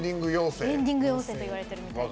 エンディング妖精っていわれてるみたいです。